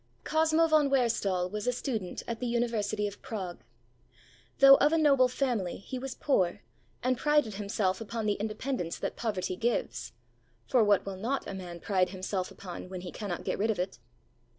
Cosmo von Wehrstahl was a student at the University of Prague. Though of a noble family, he was poor, and prided himself upon the independence that poverty gives; for what will not a man pride himself upon, when he cannot get rid of it?